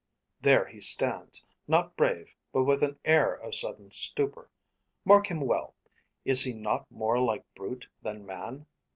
There he stands; not brave, but with an air Of sullen stupor. Mark him well! Is he Not more like brute than man?